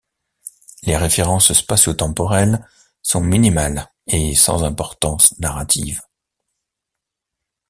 Les références spacio-temporelles sont minimales et sans importance narrative.